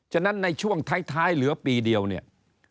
ฉะนั้นในช่วงท้ายเหลือปีเดียวเนี่ย